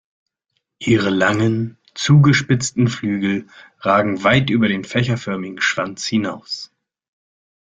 Ihre langen, zugespitzten Flügel ragen weit über den fächerförmigen Schwanz hinaus.